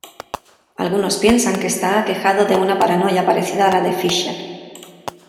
Algunos piensan que está aquejado de una paranoia parecida a la de Fischer.